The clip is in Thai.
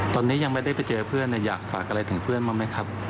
ตอนนี้ยังไม่ได้ไปเจอเพื่อนอยากฝากอะไรถึงเพื่อนบ้างไหมครับ